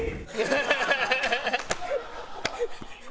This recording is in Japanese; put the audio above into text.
「ハハハハ！」